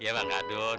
ya ya bang kadun